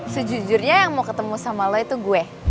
sejujurnya yang mau ketemu sama lo itu gue